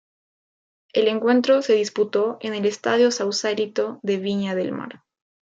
El encuentro se disputó en el Estadio Sausalito de Viña del Mar.